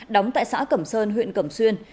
đóng tại xã cẩm sơn huyện cẩm xuyên